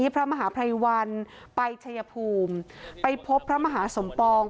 พระมหาภัยวันไปชัยภูมิไปพบพระมหาสมปอง